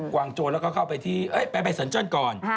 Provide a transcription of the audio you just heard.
งโจรแล้วก็เข้าไปที่ไปสันเจิ้นก่อน